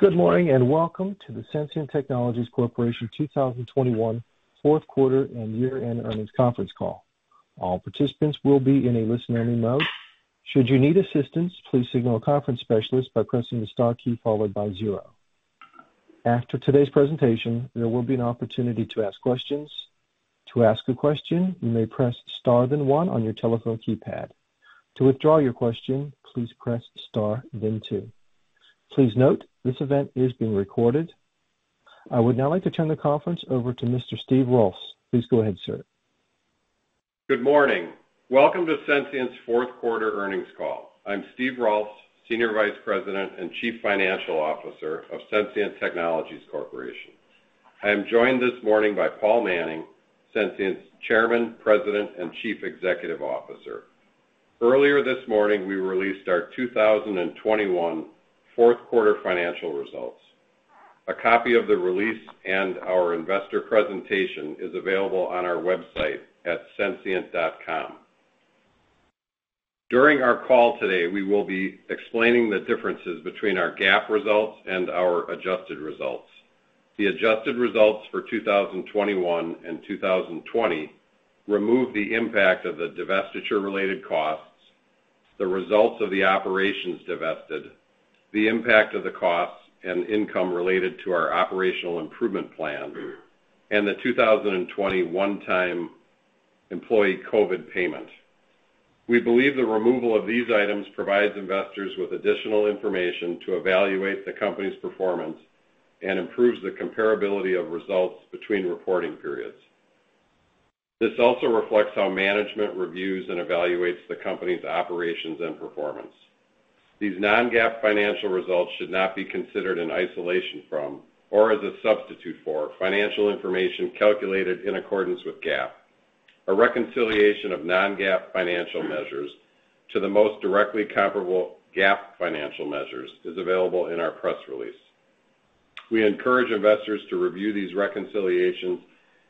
Good morning, and welcome to the Sensient Technologies Corporation 2021 Q4 and year-end earnings conference call. I would now like to turn the conference over to Mr. Steve Rolfs. Please go ahead, sir. Good morning. Welcome to Sensient's Q4 earnings call. I'm Steve Rolfs, Senior Vice President and Chief Financial Officer of Sensient Technologies Corporation. I am joined this morning by Paul Manning, Sensient's Chairman, President, and Chief Executive Officer. Earlier this morning, we released our 2021 Q4 financial results. A copy of the release and our investor presentation is available on our website at sensient.com. During our call today, we will be explaining the differences between our GAAP results and our adjusted results. The adjusted results for 2021 and 2020 remove the impact of the divestiture-related costs, the results of the operations divested, the impact of the costs and income related to our operational improvement plan, and the 2020 one-time employee COVID payment. We believe the removal of these items provides investors with additional information to evaluate the company's performance and improves the comparability of results between reporting periods. This also reflects how management reviews and evaluates the company's operations and performance. These non-GAAP financial results should not be considered in isolation from or as a substitute for financial information calculated in accordance with GAAP. A reconciliation of non-GAAP financial measures to the most directly comparable GAAP financial measures is available in our press release. We encourage investors to review these reconciliations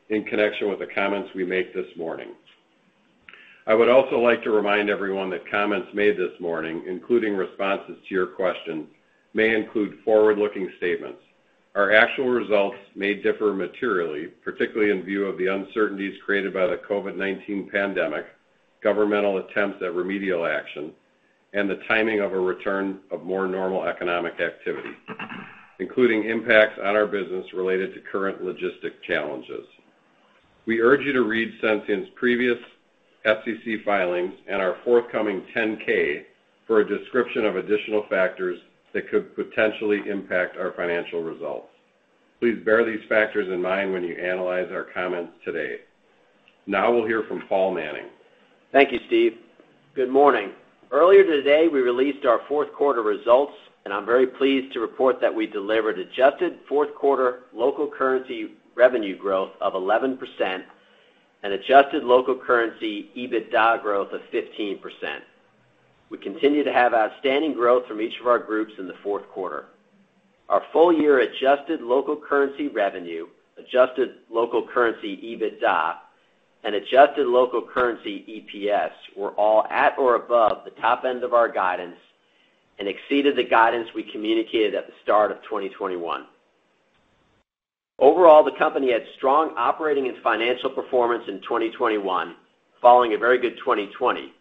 in connection with the comments we make this morning. I would also like to remind everyone that comments made this morning, including responses to your questions, may include forward-looking statements. Our actual results may differ materially, particularly in view of the uncertainties created by the COVID-19 pandemic, governmental attempts at remedial action, and the timing of a return of more normal economic activity, including impacts on our business related to current logistics challenges. We urge you to read Sensient's previous SEC filings and our forthcoming 10-K for a description of additional factors that could potentially impact our financial results. Please bear these factors in mind when you analyze our comments today. Now we'll hear from Paul Manning. Thank you, Steve. Good morning. Earlier today, we released our Q4 results, and I'm very pleased to report that we delivered adjusted Q4 local currency revenue growth of 11% and adjusted local currency EBITDA growth of 15%. We continue to have outstanding growth from each of our groups in the Q4. Our full year adjusted local currency revenue, adjusted local currency EBITDA, and adjusted local currency EPS were all at or above the top end of our guidance and exceeded the guidance we communicated at the start of 2021. Overall, the company had strong operating and financial performance in 2021 following a very good 2020.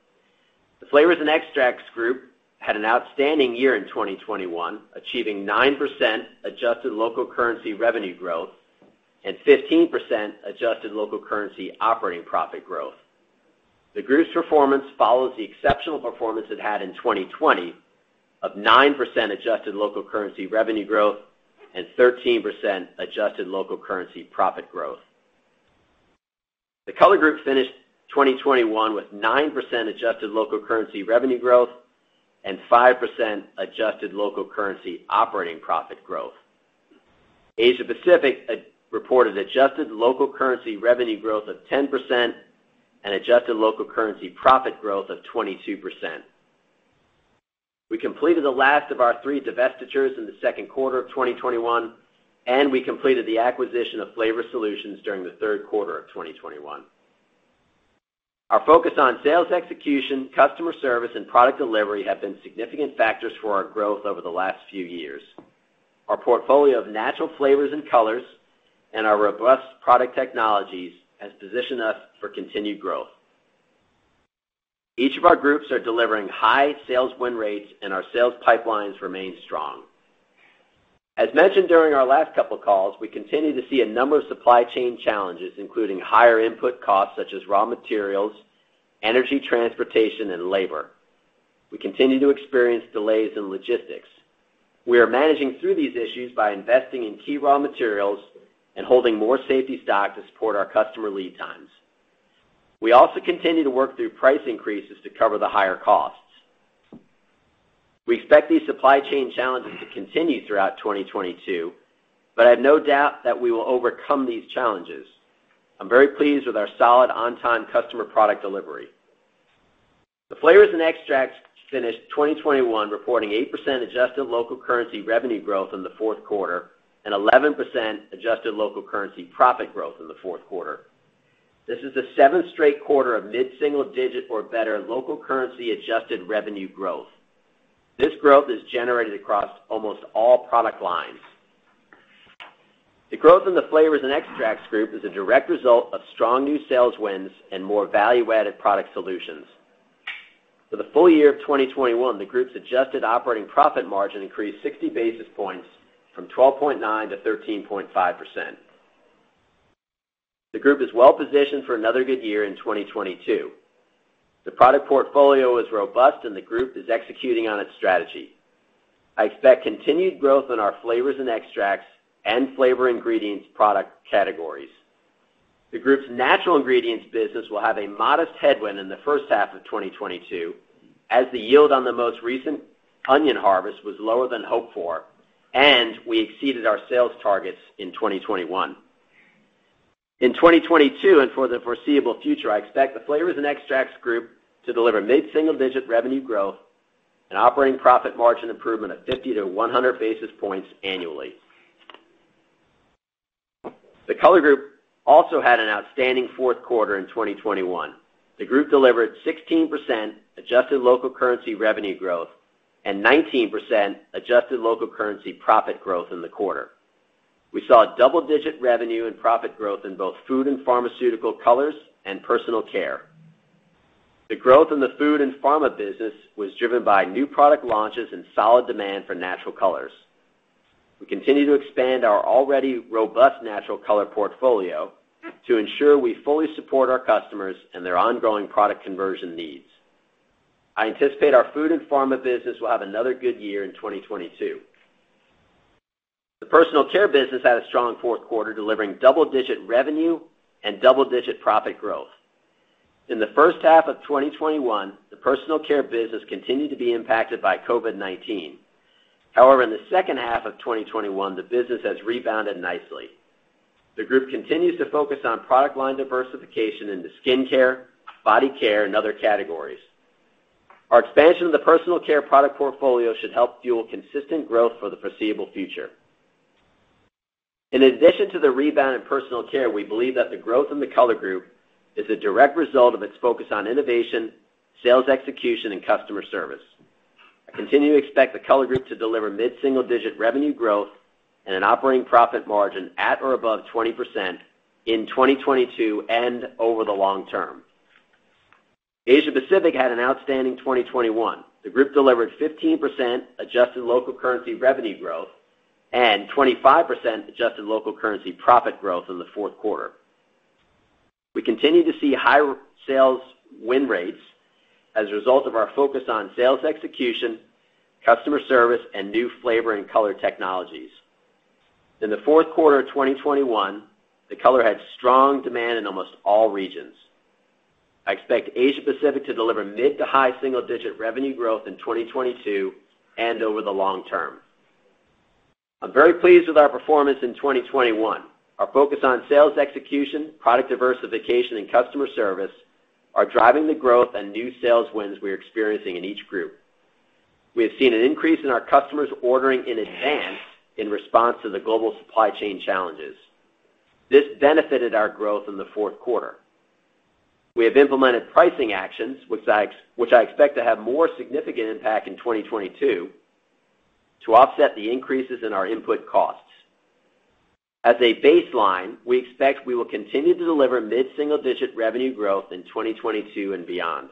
The Flavors and Extracts Group had an outstanding year in 2021, achieving 9% adjusted local currency revenue growth and 15% adjusted local currency operating profit growth. The group's performance follows the exceptional performance it had in 2020 of 9% adjusted local currency revenue growth and 13% adjusted local currency profit growth. The Color Group finished 2021 with 9% adjusted local currency revenue growth and 5% adjusted local currency operating profit growth. Asia Pacific reported adjusted local currency revenue growth of 10% and adjusted local currency profit growth of 22%. We completed the last of our three divestitures in the Q2 of 2021, and we completed the acquisition of Flavor Solutions during the Q3 of 2021. Our focus on sales execution, customer service, and product delivery have been significant factors for our growth over the last few years. Our portfolio of natural flavors and colors and our robust product technologies has positioned us for continued growth. Each of our groups are delivering high sales win rates, and our sales pipelines remain strong. As mentioned during our last couple of calls, we continue to see a number of supply chain challenges, including higher input costs such as raw materials, energy transportation, and labor. We continue to experience delays in logistics. We are managing through these issues by investing in key raw materials and holding more safety stock to support our customer lead times. We also continue to work through price increases to cover the higher costs. We expect these supply chain challenges to continue throughout 2022, but I have no doubt that we will overcome these challenges. I'm very pleased with our solid on-time customer product delivery. The Flavors & Extracts Group finished 2021 reporting 8% adjusted local currency revenue growth in the Q4 and 11% adjusted local currency profit growth in the Q4. This is the seventh straight quarter of mid-single digit or better local currency adjusted revenue growth. This growth is generated across almost all product lines. The growth in the Flavors & Extracts Group is a direct result of strong new sales wins and more value-added product solutions. For the full year of 2021, the group's adjusted operating profit margin increased 60 basis points from 12.9%-13.5%. The group is well-positioned for another good year in 2022. The product portfolio is robust, and the group is executing on its strategy. I expect continued growth in our flavors and extracts and flavor ingredients product categories. The group's natural ingredients business will have a modest headwind in the first half of 2022, as the yield on the most recent onion harvest was lower than hoped for, and we exceeded our sales targets in 2021. In 2022 and for the foreseeable future, I expect the Flavors & Extracts Group to deliver mid-single-digit revenue growth and operating profit margin improvement of 50-100 basis points annually. The Color Group also had an outstanding Q4 in 2021. The group delivered 16% adjusted local currency revenue growth and 19% adjusted local currency profit growth in the quarter. We saw double-digit revenue and profit growth in both food and pharmaceutical colors and personal care. The growth in the food and pharma business was driven by new product launches and solid demand for natural colors. We continue to expand our already robust natural color portfolio to ensure we fully support our customers and their ongoing product conversion needs. I anticipate our food and pharma business will have another good year in 2022. The personal care business had a strong Q4, delivering double-digit revenue and double-digit profit growth. In the first half of 2021, the personal care business continued to be impacted by COVID-19. However, in the second half of 2021, the business has rebounded nicely. The group continues to focus on product line diversification into skincare, body care and other categories. Our expansion of the personal care product portfolio should help fuel consistent growth for the foreseeable future. In addition to the rebound in personal care, we believe that the growth in the Color Group is a direct result of its focus on innovation, sales execution, and customer service. I continue to expect the Color Group to deliver mid-single-digit revenue growth and an operating profit margin at or above 20% in 2022 and over the long term. Asia Pacific had an outstanding 2021. The group delivered 15% adjusted local currency revenue growth and 25% adjusted local currency profit growth in the Q4. We continue to see high sales win rates as a result of our focus on sales execution, customer service, and new flavor and color technologies. In the Q4 of 2021, the Color had strong demand in almost all regions. I expect Asia Pacific to deliver mid- to high single-digit revenue growth in 2022 and over the long term. I'm very pleased with our performance in 2021. Our focus on sales execution, product diversification, and customer service are driving the growth and new sales wins we are experiencing in each group. We have seen an increase in our customers ordering in advance in response to the global supply chain challenges. This benefited our growth in the Q4. We have implemented pricing actions, which I expect to have more significant impact in 2022, to offset the increases in our input costs. As a baseline, we expect we will continue to deliver mid-single-digit revenue growth in 2022 and beyond.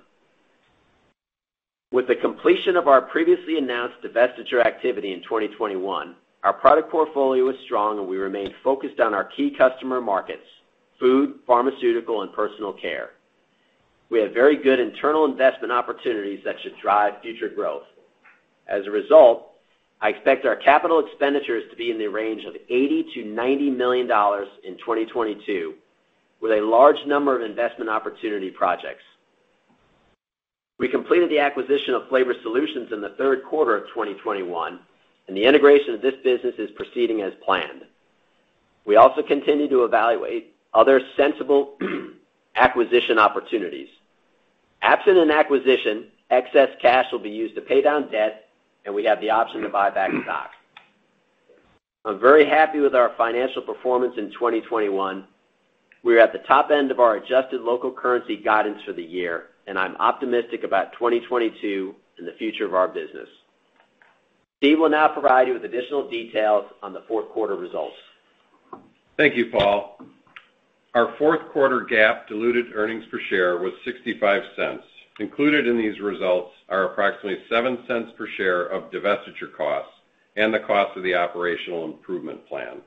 With the completion of our previously announced divestiture activity in 2021, our product portfolio is strong, and we remain focused on our key customer markets, food, pharmaceutical, and personal care. We have very good internal investment opportunities that should drive future growth. As a result, I expect our capital expenditures to be in the range of $80 million-$90 million in 2022, with a large number of investment opportunity projects. We completed the acquisition of Flavor Solutions in the Q3 of 2021, and the integration of this business is proceeding as planned. We also continue to evaluate other sensible acquisition opportunities. Absent an acquisition, excess cash will be used to pay down debt, and we have the option to buy back stock. I'm very happy with our financial performance in 2021. We are at the top end of our adjusted local currency guidance for the year, and I'm optimistic about 2022 and the future of our business. Steve will now provide you with additional details on the Q4 results. Thank you, Paul. Our Q4 GAAP diluted earnings per share was $0.65. Included in these results are approximately $0.07 per share of divestiture costs and the cost of the operational improvement plan.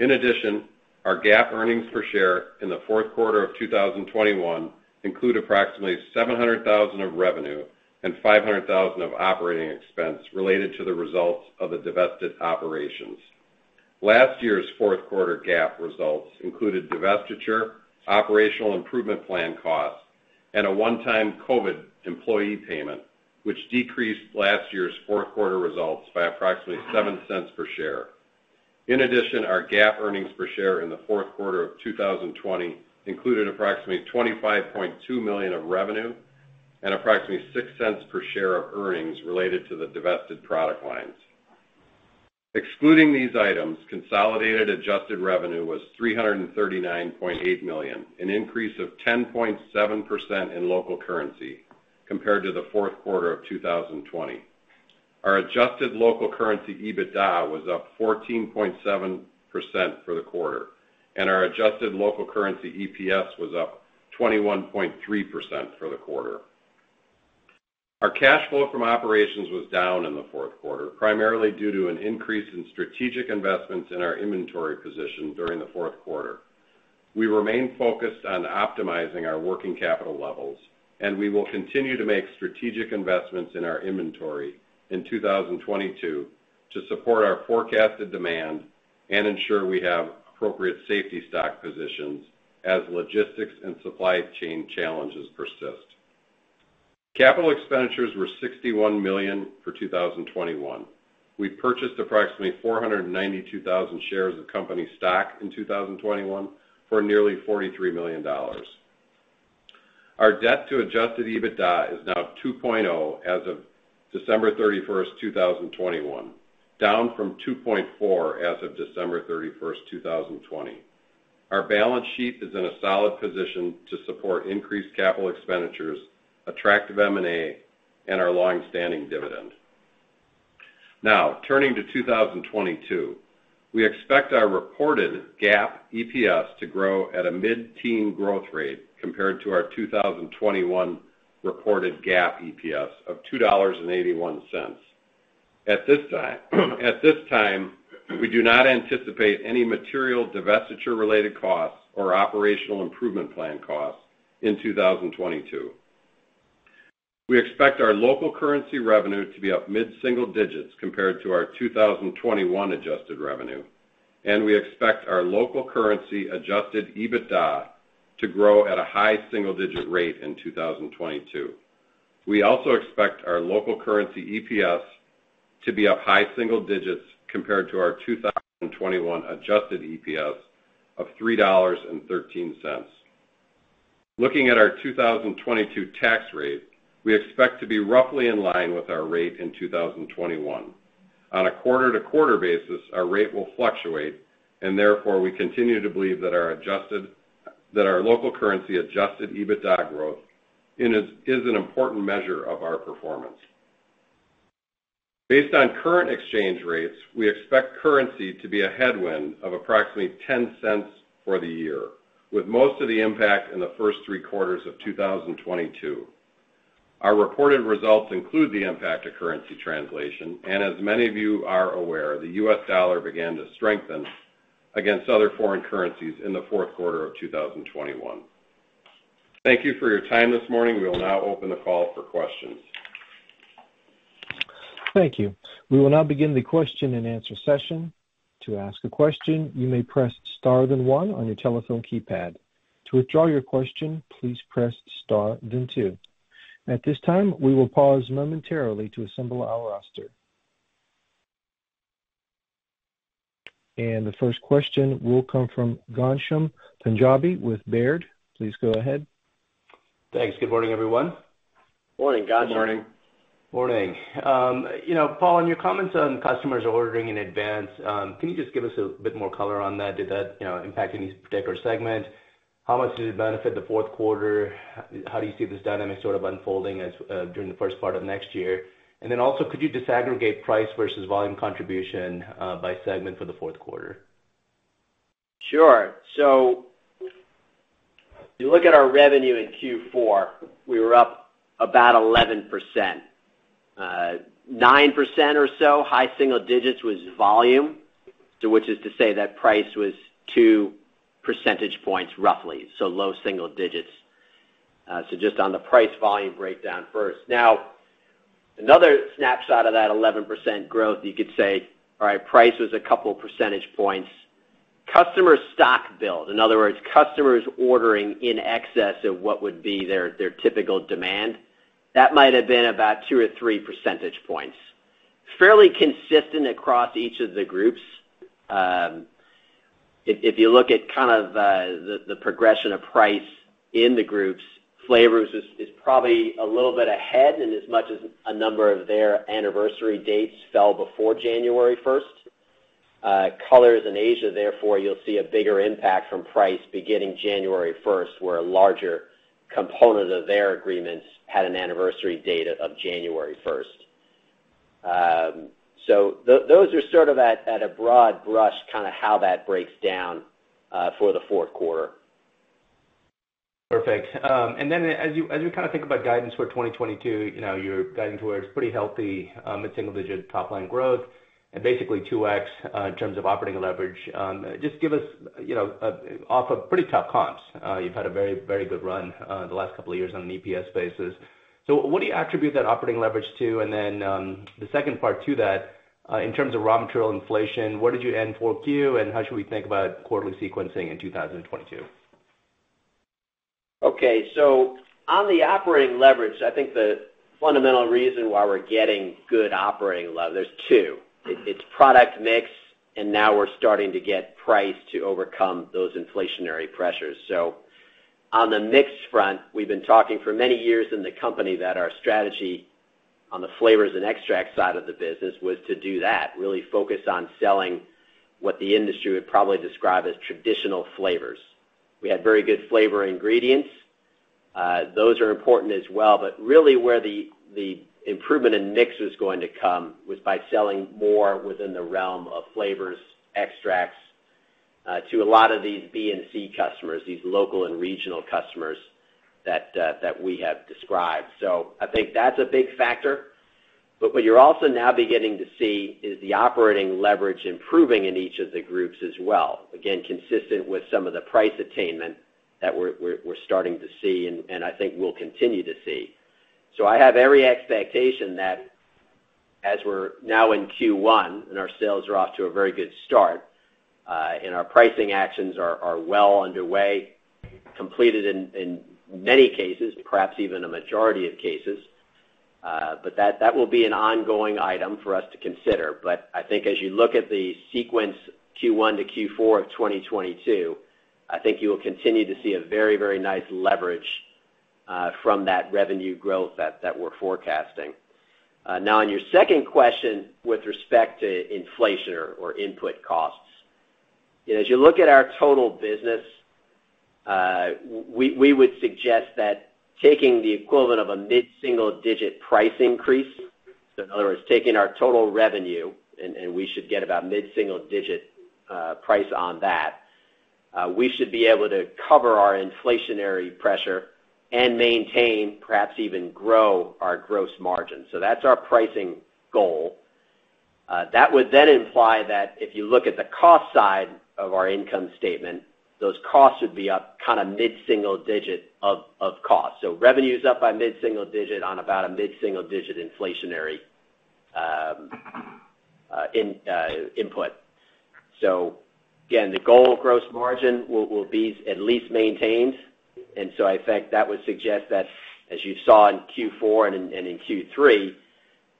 In addition, our GAAP earnings per share in the Q4 of 2021 include approximately $700,000 of revenue and $500,000 of operating expense related to the results of the divested operations. Last year's Q4 GAAP results included divestiture, operational improvement plan costs, and a one-time COVID employee payment, which decreased last year's Q4 results by approximately $0.07 per share. In addition, our GAAP earnings per share in the Q4 of 2020 included approximately $25.2 million of revenue and approximately $0.06 per share of earnings related to the divested product lines. Excluding these items, consolidated adjusted revenue was $339.8 million, an increase of 10.7% in local currency compared to the Q4 of 2020. Our adjusted local currency EBITDA was up 14.7% for the quarter, and our adjusted local currency EPS was up 21.3% for the quarter. Our cash flow from operations was down in the Q4, primarily due to an increase in strategic investments in our inventory position during the Q4. We remain focused on optimizing our working capital levels, and we will continue to make strategic investments in our inventory in 2022 to support our forecasted demand and ensure we have appropriate safety stock positions as logistics and supply chain challenges persist. Capital expenditures were $61 million for 2021. We purchased approximately 492,000 shares of company stock in 2021 for nearly $43 million. Our debt to adjusted EBITDA is now 2.0 as of December 31st, 2021, down from 2.4 as of December 31st, 2020. Our balance sheet is in a solid position to support increased capital expenditures, attractive M&A, and our long-standing dividend. Now, turning to 2022. We expect our reported GAAP EPS to grow at a mid-teens % growth rate compared to our 2021 reported GAAP EPS of $2.81. At this time, we do not anticipate any material divestiture related costs or operational improvement plan costs in 2022. We expect our local currency revenue to be up mid-single digits % compared to our 2021 adjusted revenue, and we expect our local currency adjusted EBITDA to grow at a high single-digit % rate in 2022. We also expect our local currency EPS to be up high single digits % compared to our 2021 adjusted EPS of $3.13. Looking at our 2022 tax rate, we expect to be roughly in line with our rate in 2021. On a quarter-to-quarter basis, our rate will fluctuate, and therefore, we continue to believe that our local currency adjusted EBITDA growth is an important measure of our performance. Based on current exchange rates, we expect currency to be a headwind of approximately $0.10 for the year, with most of the impact in the first Q3 of 2022. Our reported results include the impact of currency translation, and as many of you are aware, the US dollar began to strengthen against other foreign currencies in the Q4 of 2021. Thank you for your time this morning. We will now open the call for questions. Thank you. We will now begin the question-and-answer session. The first question will come from Ghansham Panjabi with Baird. Please go ahead. Thanks. Good morning, everyone. Morning, Ghansham. Good morning. Morning. You know, Paul, on your comments on customers ordering in advance, can you just give us a bit more color on that? Did that, you know, impact any particular segment? How much did it benefit the Q4? How do you see this dynamic sort of unfolding as during the first part of next year? Also, could you disaggregate price versus volume contribution by segment for the Q4? Sure. If you look at our revenue in Q4, we were up about 11%. 9% or so, high single digits was volume. That is to say that price was two percentage points roughly, so low single digits. Just on the price volume breakdown first. Now, another snapshot of that 11% growth, you could say, all right, price was a couple percentage points. Customer stock build, in other words, customers ordering in excess of what would be their typical demand, that might have been about two or three percentage points. Fairly consistent across each of the groups. If you look at kind of the progression of price in the groups, Flavors is probably a little bit ahead and as much as a number of their anniversary dates fell before January first. Colors in Asia, therefore, you'll see a bigger impact from price beginning January first, where a larger component of their agreements had an anniversary date of January first. Those are sort of at a broad brush, kind of how that breaks down for the Q4. Perfect. As you kind of think about guidance for 2022, you know, you're guiding towards pretty healthy, mid-single-digit top line growth and basically 2x in terms of operating leverage. Just give us, you know, off of pretty tough comps. You've had a very, very good run, the last couple of years on an EPS basis. What do you attribute that operating leverage to? The 2nd part to that, in terms of raw material inflation, what did you end Q4 and how should we think about quarterly sequencing in 2022? Okay. On the operating leverage, I think the fundamental reason why we're getting good operating leverage, there's two. It's product mix, and now we're starting to get price to overcome those inflationary pressures. On the mix front, we've been talking for many years in the company that our strategy on the flavors and extracts side of the business was to do that, really focus on selling what the industry would probably describe as traditional flavors. We had very good flavor ingredients. Those are important as well. But really where the improvement in mix was going to come was by selling more within the realm of flavors, extracts, to a lot of these B and C customers, these local and regional customers that we have described. I think that's a big factor. What you're also now beginning to see is the operating leverage improving in each of the groups as well. Again, consistent with some of the price attainment that we're starting to see and I think we'll continue to see. I have every expectation that as we're now in Q1 and our sales are off to a very good start, and our pricing actions are well underway, completed in many cases, perhaps even a majority of cases. That will be an ongoing item for us to consider. I think as you look at the sequence Q1-Q4 of 2022, I think you will continue to see a very, very nice leverage from that revenue growth that we're forecasting. Now on your second question with respect to inflation or input costs. As you look at our total business, we would suggest that taking the equivalent of a mid-single digit price increase. In other words, taking our total revenue, and we should get about mid-single-digit price on that, we should be able to cover our inflationary pressure and maintain, perhaps even grow our gross margin. That's our pricing goal. That would then imply that if you look at the cost side of our income statement, those costs would be up kind of mid-single-digit of cost. Revenue is up by mid-single-digit on about a mid-single-digit inflationary input. Again, the goal gross margin will be at least maintained. I think that would suggest that as you saw in Q4 and in Q3,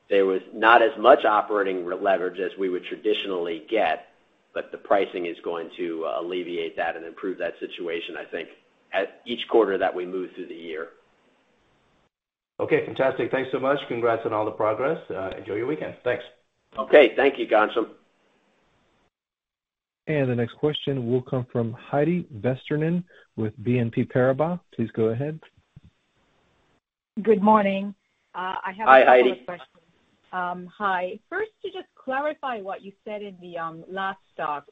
there was not as much operating leverage as we would traditionally get, but the pricing is going to alleviate that and improve that situation I think at each quarter that we move through the year. Okay, fantastic. Thanks so much. Congrats on all the progress. Enjoy your weekend. Thanks. Okay. Thank you, Ghansham. The next question will come from Heidi Vesterinen with BNP Paribas. Please go ahead. Good morning. I have a couple of questions. Hi, Heidi. Hi. 1st, to just clarify what you said in the last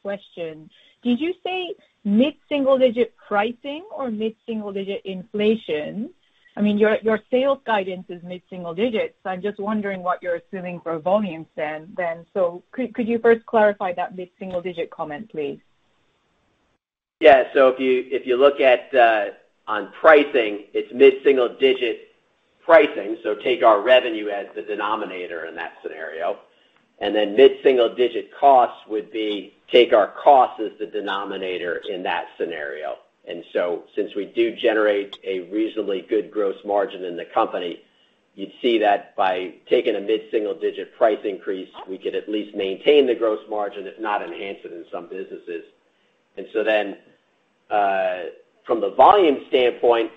question. Did you say mid-single digit pricing or mid-single digit inflation? I mean, your sales guidance is mid-single digits. I'm just wondering what you're assuming for volumes then. Could you first clarify that mid-single digit comment, please? Yeah. If you look at on pricing, it's mid-single-digit pricing. Take our revenue as the denominator in that scenario. Mid-single-digit costs would be take our cost as the denominator in that scenario. Since we do generate a reasonably good gross margin in the company, you'd see that by taking a mid-single-digit price increase, we could at least maintain the gross margin, if not enhance it in some businesses. From the volume standpoint,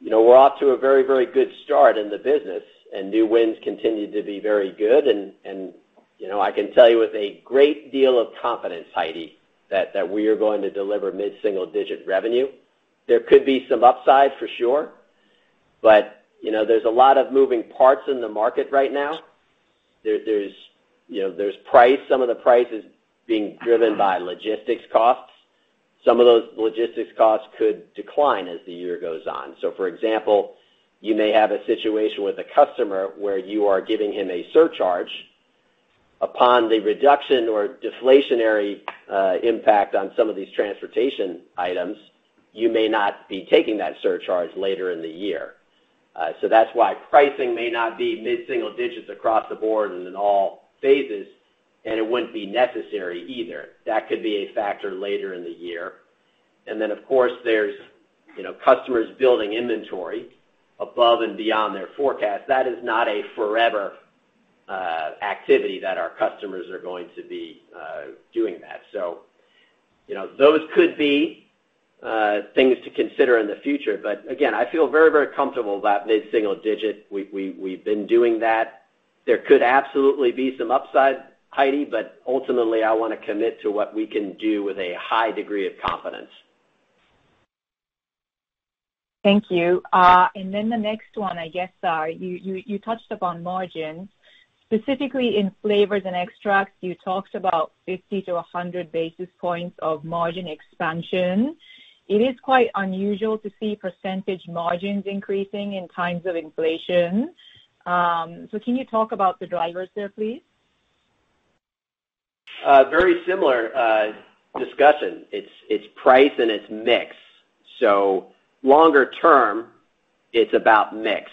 you know, we're off to a very, very good start in the business, and new wins continue to be very good. You know, I can tell you with a great deal of confidence, Heidi, that we are going to deliver mid-single-digit revenue. There could be some upside for sure. You know, there's a lot of moving parts in the market right now. You know, there's price. Some of the price is being driven by logistics costs. Some of those logistics costs could decline as the year goes on. For example, you may have a situation with a customer where you are giving him a surcharge. Upon the reduction or deflationary impact on some of these transportation items, you may not be taking that surcharge later in the year. That's why pricing may not be mid-single digits across the board and in all phases, and it wouldn't be necessary either. That could be a factor later in the year. Of course, you know, customers building inventory above and beyond their forecast. That is not a forever activity that our customers are going to be doing that. You know, those could be things to consider in the future. Again, I feel very, very comfortable that mid-single digit, we've been doing that. There could absolutely be some upside, Heidi, but ultimately, I wanna commit to what we can do with a high degree of confidence. Thank you. The next one, I guess, you touched upon margin. Specifically in Flavors and Extracts, you talked about 50-100 basis points of margin expansion. It is quite unusual to see percentage margins increasing in times of inflation. Can you talk about the drivers there, please? Very similar discussion. It's price and mix. Longer term, it's about mix.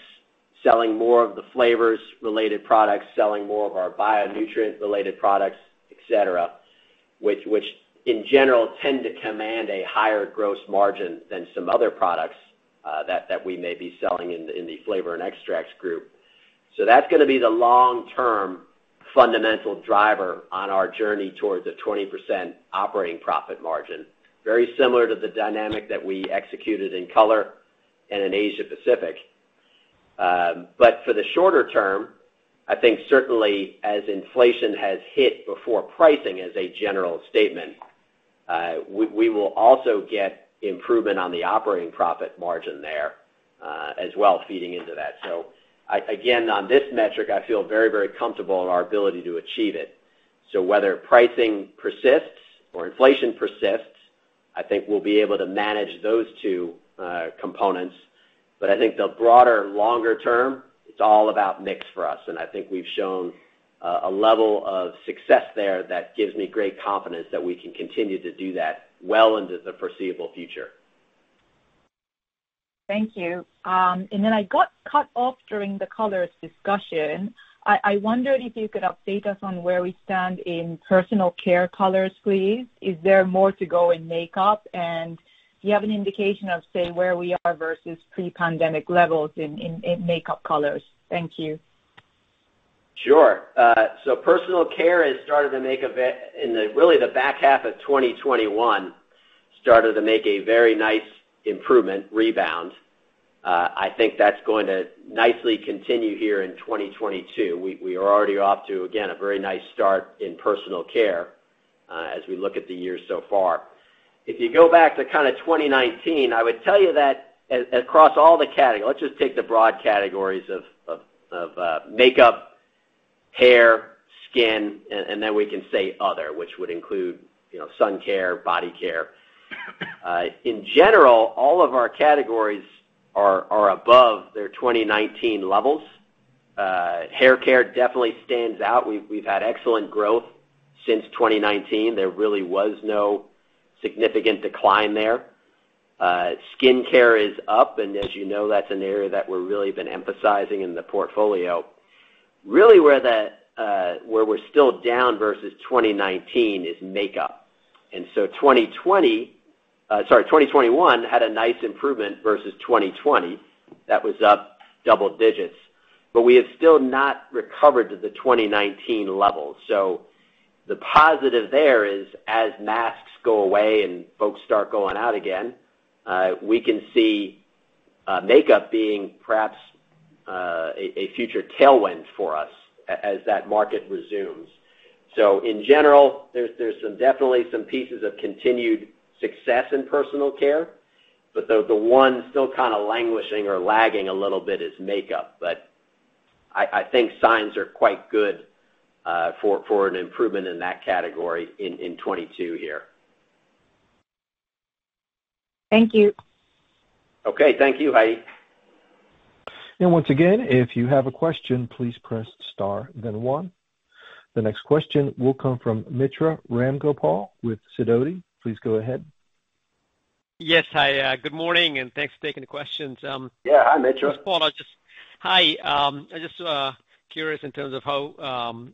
Selling more of the flavors related products, selling more of our BioNutrients related products, et cetera, which in general tend to command a higher gross margin than some other products that we may be selling in the Flavors & Extracts Group. That's gonna be the long-term fundamental driver on our journey towards a 20% operating profit margin. Very similar to the dynamic that we executed in Color and in Asia Pacific. For the shorter term, I think certainly as inflation has hit before pricing as a general statement, we will also get improvement on the operating profit margin there, as well feeding into that. Again, on this metric, I feel very comfortable in our ability to achieve it. Whether pricing persists or inflation persists, I think we'll be able to manage those two components. I think the broader longer term, it's all about mix for us. I think we've shown a level of success there that gives me great confidence that we can continue to do that well into the foreseeable future. Thank you. I got cut off during the colors discussion. I wondered if you could update us on where we stand in personal care colors, please. Is there more to go in makeup? Do you have an indication of, say, where we are versus pre-pandemic levels in makeup colors? Thank you. Sure. Personal care has started to make a very nice improvement rebound in really the back half of 2021. I think that's going to nicely continue here in 2022. We are already off to a very nice start in personal care as we look at the year so far. If you go back to kind of 2019, I would tell you that across all the categories, let's just take the broad categories of makeup, hair, skin, and then we can say other, which would include you know sun care, body care. In general, all of our categories are above their 2019 levels. Hair care definitely stands out. We've had excellent growth since 2019. There really was no significant decline there. Skincare is up, and as you know, that's an area that we're really been emphasizing in the portfolio. Really where we're still down versus 2019 is makeup. 2021 had a nice improvement versus 2020. That was up double digits. We have still not recovered to the 2019 levels. The positive there is as masks go away and folks start going out again, we can see makeup being perhaps a future tailwind for us as that market resumes. In general, there's definitely some pieces of continued success in personal care, but the one still kind of languishing or lagging a little bit is makeup. I think signs are quite good for an improvement in that category in 2022 here. Thank you. Okay. Thank you, Heidi. Once again, if you have a question, please press star then one. The next question will come from Mitra Ramgopal with Sidoti. Please go ahead. Yes. Hi, good morning, and thanks for taking the questions. Yeah. Hi, Mitra. Hi, I'm just curious in terms of how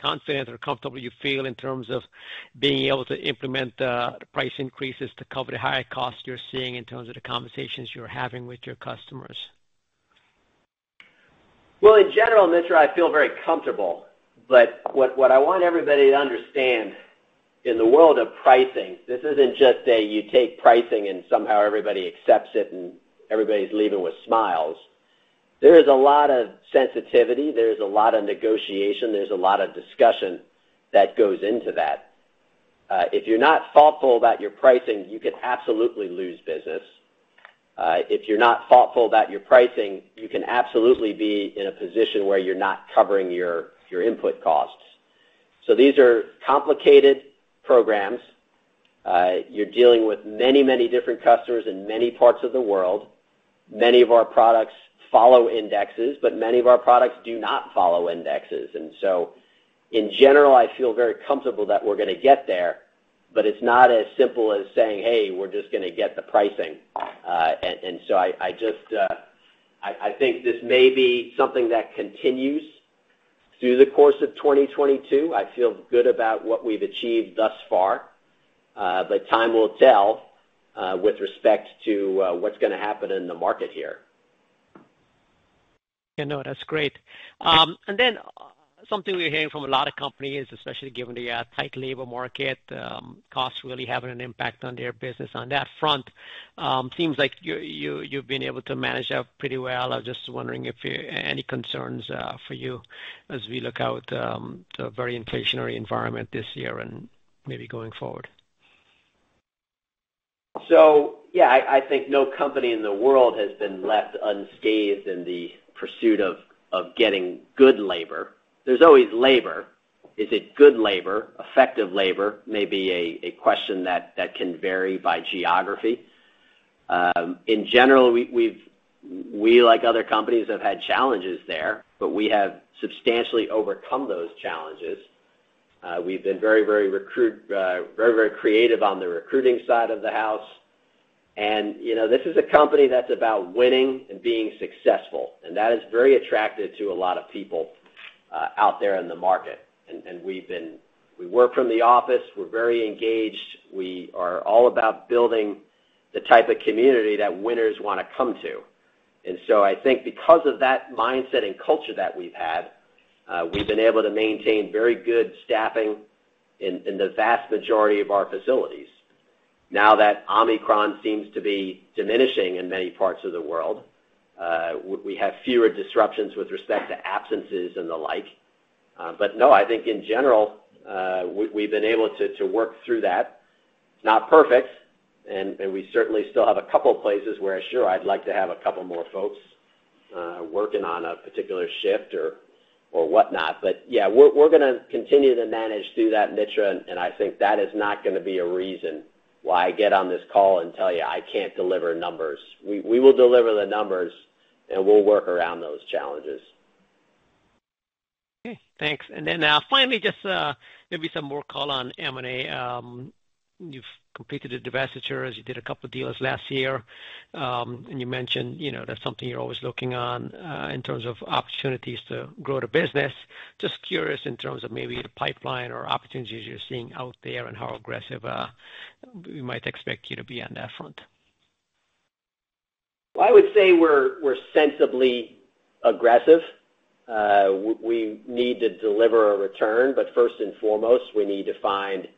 confident or comfortable you feel in terms of being able to implement the price increases to cover the higher costs you're seeing in terms of the conversations you're having with your customers. Well, in general, Mitra, I feel very comfortable. What I want everybody to understand, in the world of pricing, this isn't just you take pricing and somehow everybody accepts it and everybody's leaving with smiles. There is a lot of sensitivity, there's a lot of negotiation, there's a lot of discussion that goes into that. If you're not thoughtful about your pricing, you could absolutely lose business. If you're not thoughtful about your pricing, you can absolutely be in a position where you're not covering your input costs. These are complicated programs. You're dealing with many, many different customers in many parts of the world. Many of our products follow indexes, but many of our products do not follow indexes. In general, I feel very comfortable that we're gonna get there, but it's not as simple as saying, Hey, we're just gonna get the pricing. I just think this may be something that continues through the course of 2022. I feel good about what we've achieved thus far. Time will tell with respect to what's gonna happen in the market here. Yeah, no, that's great. Something we're hearing from a lot of companies, especially given the tight labor market, costs really having an impact on their business on that front. Seems like you've been able to manage that pretty well. I was just wondering if any concerns for you as we look out the very inflationary environment this year and maybe going forward? Yeah, I think no company in the world has been left unscathed in the pursuit of getting good labor. There's always labor. Is it good labor, effective labor? Maybe a question that can vary by geography. In general, we, like other companies, have had challenges there, but we have substantially overcome those challenges. We've been very, very creative on the recruiting side of the house. You know, this is a company that's about winning and being successful, and that is very attractive to a lot of people out there in the market. We work from the office, we're very engaged. We are all about building the type of community that winners wanna come to. I think because of that mindset and culture that we've had, we've been able to maintain very good staffing in the vast majority of our facilities. Now that Omicron seems to be diminishing in many parts of the world, we have fewer disruptions with respect to absences and the like. But no, I think in general, we've been able to work through that. It's not perfect, and we certainly still have a couple places where, sure, I'd like to have a couple more folks working on a particular shift or whatnot. But yeah, we're gonna continue to manage through that, Mitra, and I think that is not gonna be a reason why I get on this call and tell you I can't deliver numbers. We will deliver the numbers, and we'll work around those challenges. Okay, thanks. Finally, just maybe some more call on M&A. You've completed a divestiture, as you did a couple deals last year. You mentioned, you know, that's something you're always looking on in terms of opportunities to grow the business. Just curious in terms of maybe the pipeline or opportunities you're seeing out there and how aggressive we might expect you to be on that front. Well, I would say we're sensibly aggressive. We need to deliver a return, but first and foremost, we need to find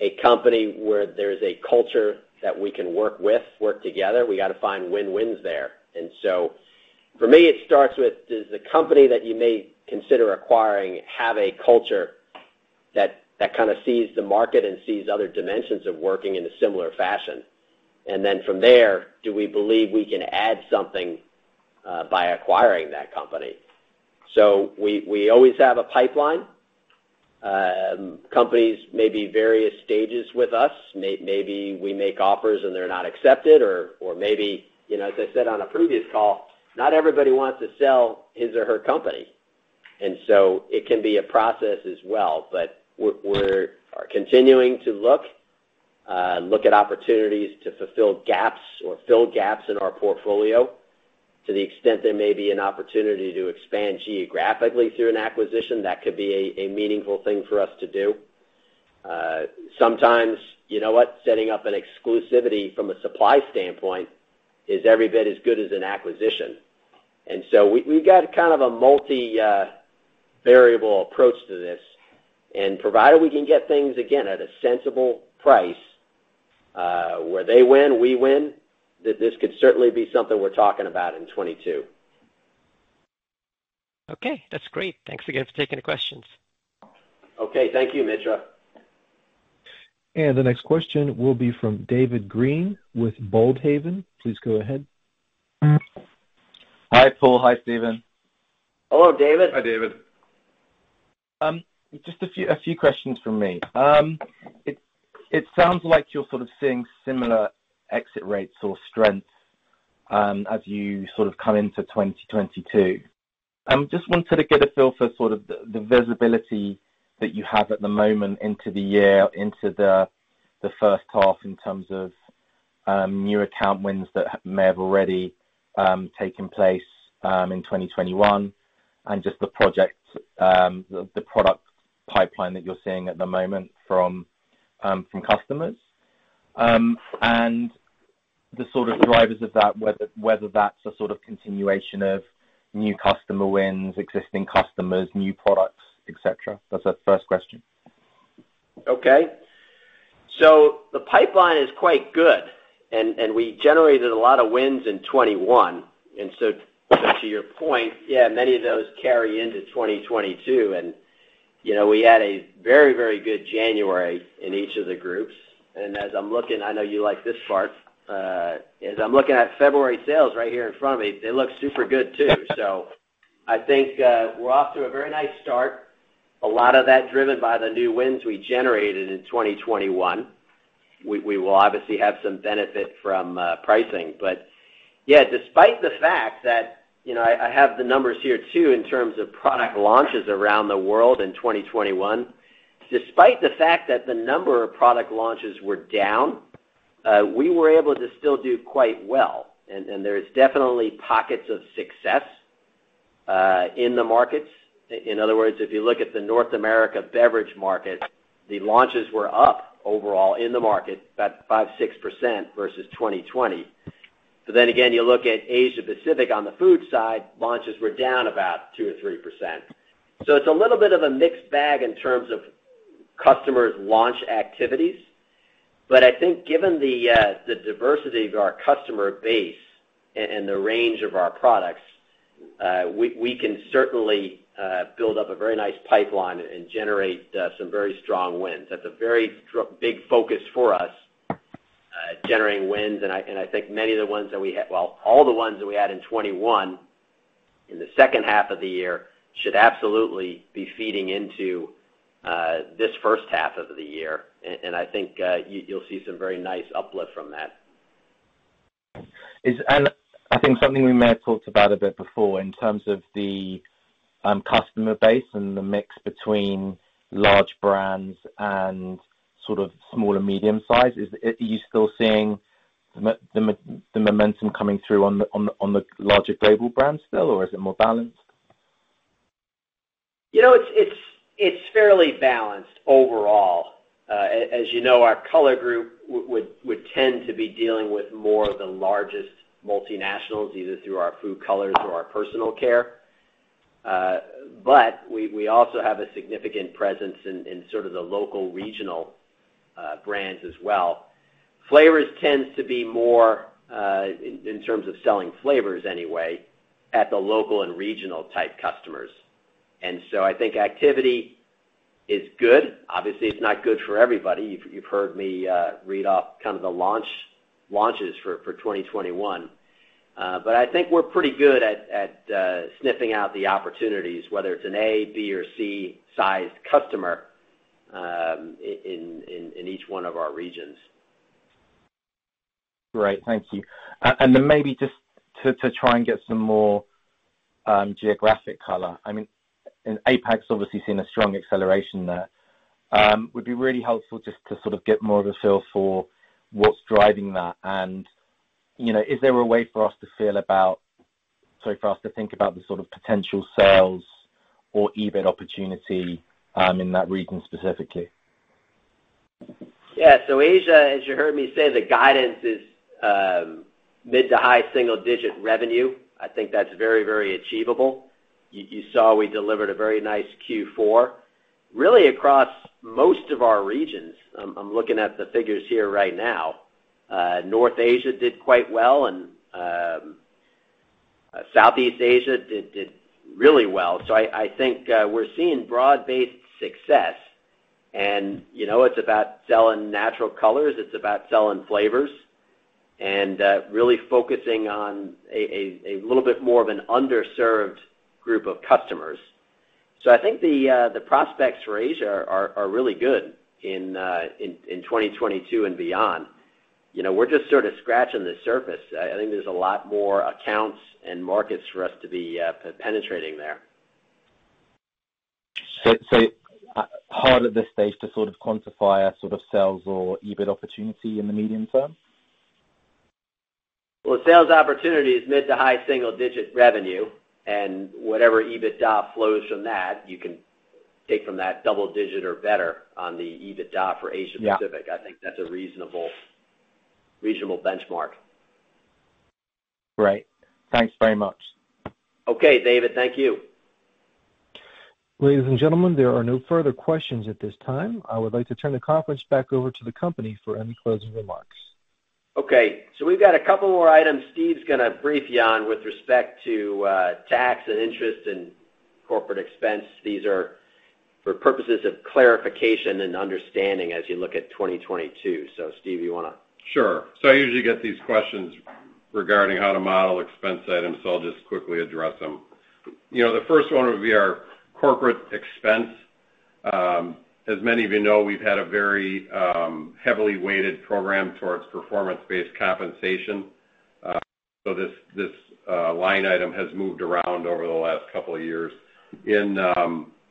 a company where there's a culture that we can work with, work together. We got a find win-wins there. For me, it starts with, does the company that you may consider acquiring have a culture that kind of sees the market and sees other dimensions of working in a similar fashion? And then from there, do we believe we can add something by acquiring that company? We always have a pipeline. Companies may be various stages with us. Maybe we make offers and they're not accepted or maybe, you know, as I said on a previous call, not everybody wants to sell his or her company. It can be a process as well. We're continuing to look at opportunities to fulfill gaps or fill gaps in our portfolio. To the extent there may be an opportunity to expand geographically through an acquisition, that could be a meaningful thing for us to do. Sometimes, you know what? Setting up an exclusivity from a supply standpoint is every bit as good as an acquisition. We've got kind of a multi variable approach to this. Provided we can get things, again, at a sensible price, where they win, we win, this could certainly be something we're talking about in 2022. Okay, that's great. Thanks again for taking the questions. Okay. Thank you, Mitra. The next question will be from David Green with Boldhaven. Please go ahead. Hi, Paul. Hi, Stephen. Hello, David. Hi, David. Just a few questions from me. It sounds like you're sort of seeing similar exit rates or strength as you sort of come into 2022. Just wanted to get a feel for sort of the visibility that you have at the moment into the year, into the first half in terms of new account wins that may have already taken place in 2021, and just the project, the product pipeline that you're seeing at the moment from customers. And the sort of drivers of that, whether that's a sort of continuation of new customer wins, existing customers, new products, et cetera. That's our first question. Okay. The pipeline is quite good and we generated a lot of wins in 2021. To your point, yeah, many of those carry into 2022. You know, we had a very, very good January in each of the groups. As I'm looking, I know you like this part. As I'm looking at February sales right here in front of me, they look super good too. I think, we're off to a very nice start. A lot of that driven by the new wins we generated in 2021. We will obviously have some benefit from pricing. Yeah, despite the fact that, you know, I have the numbers here too in terms of product launches around the world in 2021. Despite the fact that the number of product launches were down, we were able to still do quite well, and there's definitely pockets of success in the markets. In other words, if you look at the North America beverage market, the launches were up overall in the market, about 5%-6% versus 2020. Again, you look at Asia Pacific on the food side, launches were down about 2%-3%. It's a little bit of a mixed bag in terms of customers' launch activities. I think given the diversity of our customer base and the range of our products, we can certainly build up a very nice pipeline and generate some very strong wins. That's a very big focus for us, generating wins. I think, well, all the ones that we had in 2021, in the second half of the year, should absolutely be feeding into this first half of the year. I think you'll see some very nice uplift from that. I think something we may have talked about a bit before in terms of the customer base and the mix between large brands and sort of small or medium size. Are you still seeing the momentum coming through on the larger global brands still, or is it more balanced? You know, it's fairly balanced overall. As you know, our Color Group would tend to be dealing with more of the largest multinationals, either through our food colors or our personal care. But we also have a significant presence in sort of the local regional brands as well. Flavors tends to be more in terms of selling flavors anyway, at the local and regional type customers. I think activity is good. Obviously, it's not good for everybody. You've heard me read off kind of the launches for 2021. I think we're pretty good at sniffing out the opportunities, whether it's an A, B, or C-sized customer in each one of our regions. Great. Thank you. Maybe just to try and get some more geographic color. I mean, APAC's obviously seen a strong acceleration there. It would be really helpful just to sort of get more of a feel for what's driving that. You know, is there a way for us to think about the sort of potential sales or EBIT opportunity in that region specifically? Yeah. Asia, as you heard me say, the guidance is mid- to high-single-digit revenue. I think that's very, very achievable. You saw we delivered a very nice Q4, really across most of our regions. I'm looking at the figures here right now. North Asia did quite well, and Southeast Asia did really well. I think we're seeing broad-based success. You know, it's about selling natural colors, it's about selling flavors, and really focusing on a little bit more of an underserved group of customers. I think the prospects for Asia are really good in 2022 and beyond. You know, we're just sort of scratching the surface. I think there's a lot more accounts and markets for us to be penetrating there. It's hard at this stage to sort of quantify a sort of sales or EBIT opportunity in the medium term? Well, the sales opportunity is mid- to high-single-digit revenue, and whatever EBITDA flows from that, you can take from that double-digit or better on the EBITDA for Asia Pacific. Yeah. I think that's a reasonable benchmark. Great. Thanks very much. Okay. David, thank you. Ladies and gentlemen, there are no further questions at this time. I would like to turn the conference back over to the company for any closing remarks. Okay, we've got a couple more items Steve's gonna brief you on with respect to tax and interest and corporate expense. These are for purposes of clarification and understanding as you look at 2022. Steve, you wanna? Sure. I usually get these questions regarding how to model expense items, so I'll just quickly address them. You know, the 1st one would be our corporate expense. As many of you know, we've had a very heavily weighted program towards performance-based compensation. So this line item has moved around over the last couple of years. In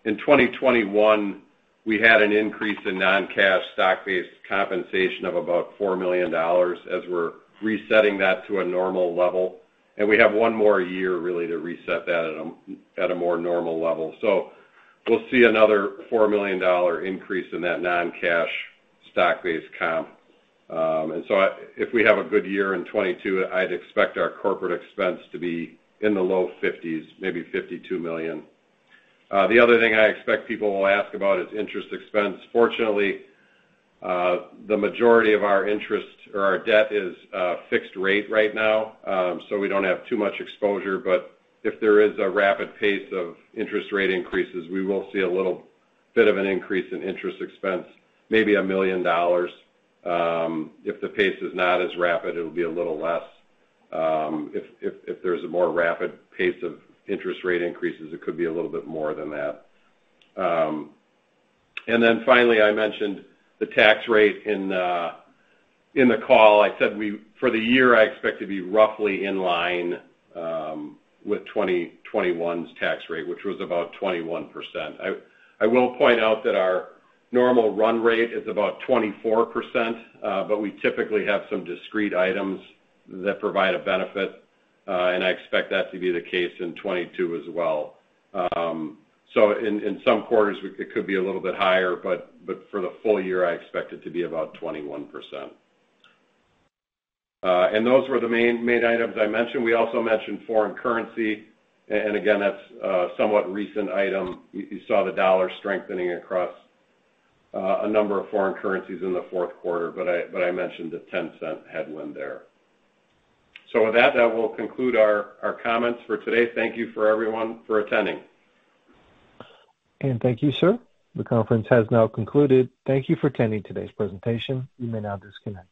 2021, we had an increase in non-cash stock-based compensation of about $4 million as we're resetting that to a normal level. We have one more year really to reset that at a more normal level. We'll see another $4 million increase in that non-cash stock-based comp. If we have a good year in 2022, I'd expect our corporate expense to be in the low 50s, maybe $52 million. The other thing I expect people will ask about is interest expense. Fortunately, the majority of our interest or our debt is fixed rate right now. So we don't have too much exposure, but if there is a rapid pace of interest rate increases, we will see a little bit of an increase in interest expense, maybe $1 million. If the pace is not as rapid, it'll be a little less. If there's a more rapid pace of interest rate increases, it could be a little bit more than that. Finally, I mentioned the tax rate in the call. I said, for the year, I expect to be roughly in line with 2021's tax rate, which was about 21%. I will point out that our normal run rate is about 24%, but we typically have some discrete items that provide a benefit, and I expect that to be the case in 2022 as well. So in some quarters, it could be a little bit higher, but for the full year, I expect it to be about 21%. And those were the main items I mentioned. We also mentioned foreign currency. And again, that's a somewhat recent item. You saw the dollar strengthening across a number of foreign currencies in the Q4, but I mentioned the 10-cent headwind there. So with that will conclude our comments for today. Thank you to everyone for attending. Thank you, sir. The conference has now concluded. Thank you for attending today's presentation. You may now disconnect.